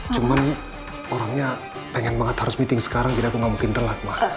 cuman orangnya pengen banget harus meeting sekarang jadi aku gak mungkin telak mah